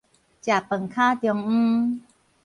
食飯坩中央